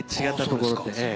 違ったところって。